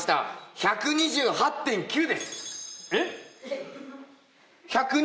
１２８．９です。